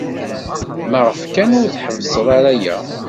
Maɣef kan ur tḥebbsed ara aya?